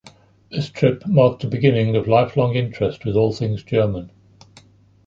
This trip marked the beginning of lifelong interest with all things German.